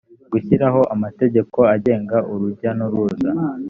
gushyiraho amategeko agenga urujya n’uruza